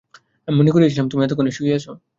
আমি মনে করিয়াছিলাম, তুমি এতক্ষণে শুইয়াছ।